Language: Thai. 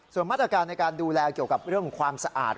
ส่วนมาตรการในการดูแลเกี่ยวกับเรื่องความสะอาด